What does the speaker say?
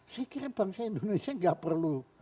saya kira bangsa indonesia nggak perlu